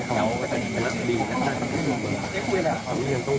ขอบคุณครับ